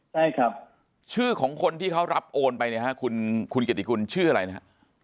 ใช่ครับชื่อของคนที่เขารับโอนไปเนี่ยฮะคุณเกียรติกุลชื่ออะไรนะฮะ